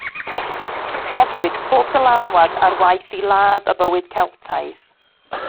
Rhoddwyd pob dylanwad ar waith i ladd y bywyd Celtaidd.